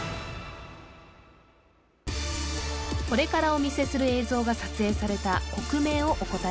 これからお見せする映像が撮影された国名をお答え